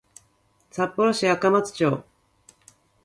札幌市赤松町